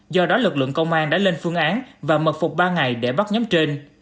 do đó lực lượng công an đã lên phương án và mật phục ba ngày để bắt nhóm trên